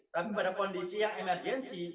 tapi pada kondisi yang emergensi